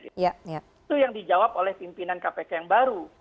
itu yang dijawab oleh pimpinan kpk yang baru